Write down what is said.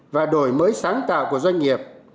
và đổi mới sáng tạo của doanh nghiệp